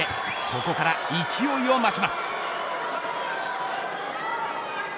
ここから勢いを増します。